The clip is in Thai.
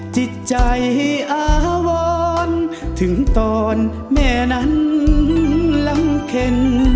จิตใจอาวรถึงตอนแม่นั้นลำเข็น